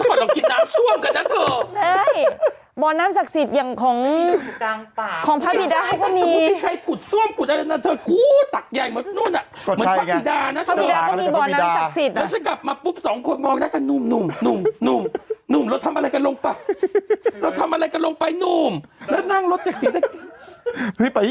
เป็นน้ำซ่วมหรือเปล่าไม่รู้นะวันนั้น